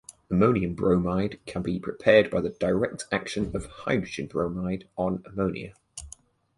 Ammonium bromide can be prepared by the direct action of hydrogen bromide on ammonia.